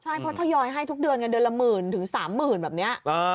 ใช่เพราะทยอยให้ทุกเดือนกันเดือนละหมื่นถึง๓๐๐๐แบบนี้